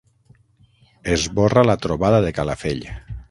Esborra la trobada de Calafell.